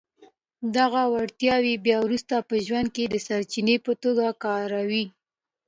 دغه وړتياوې بيا وروسته په ژوند کې د سرچینې په توګه کاروئ.